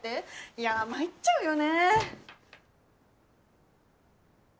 いや参っちゃうよね。